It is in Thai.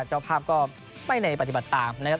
เจ้าภาพก็ไม่ได้ปฏิบัติตามนะครับ